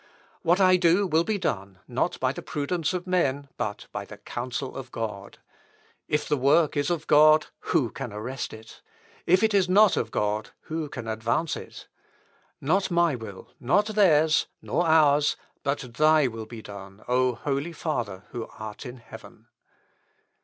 What I do will be done, not by the prudence of men, but by the counsel of God. If the work is of God, who can arrest it? If it is not of God, who can advance it?... Not my will, nor theirs, nor ours, but Thy will be done, O Holy Father who art in heaven!"